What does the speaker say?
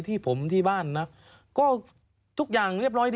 ทีผมที่บ้านนะ